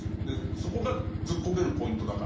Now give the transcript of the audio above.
そこがずっこけるポイントだから。